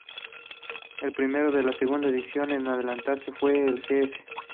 El premio de la segunda edición en adelante fue de Gs.